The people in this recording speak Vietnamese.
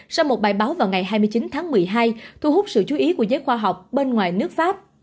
sau một bài báo vào ngày hai mươi chín tháng một mươi hai thu hút sự chú ý của giới khoa học bên ngoài nước pháp